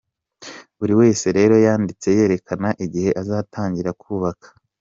Buri wese rero yanditse yerekana igihe azatangirira kubaka.